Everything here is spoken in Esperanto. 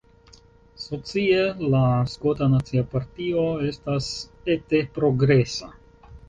Socie, la Skota Nacia Partio estas ete progresa.